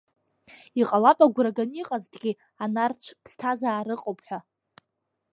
Иҟалап агәра ганы иҟазҭгьы, анарцә аԥсҭазаара ыҟоуп ҳәа?